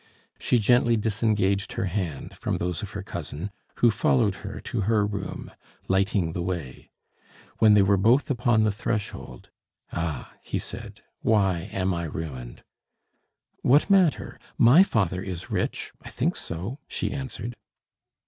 She gently disengaged her hand from those of her cousin, who followed her to her room, lighting the way. When they were both upon the threshold, "Ah!" he said, "why am I ruined?" "What matter? my father is rich; I think so," she answered.